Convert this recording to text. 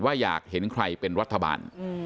อยากเห็นใครเป็นรัฐบาล